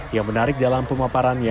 yang menarik dalam pemaparan